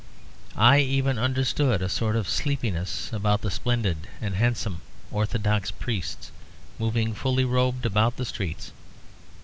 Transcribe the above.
I even understood a sort of sleepiness about the splendid and handsome Orthodox priests moving fully robed about the streets.